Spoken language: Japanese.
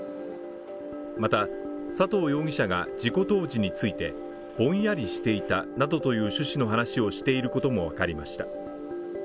また、佐藤容疑者が事故当時についてぼんやりしていたなどという趣旨の話をしていることもわかりました。